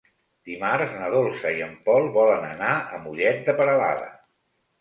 Dimarts na Dolça i en Pol volen anar a Mollet de Peralada.